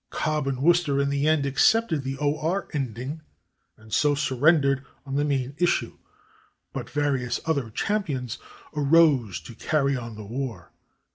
Cobb and Worcester, in the end, accepted the / or/ ending and so surrendered on the main issue, but various other champions arose to carry on the war.